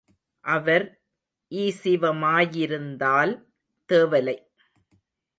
அவர் ஈசிவமாயிருந்தால் தேவலை.